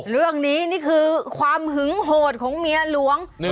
เรื่องนี้นี่คือความหึงโหดของเมียหลวง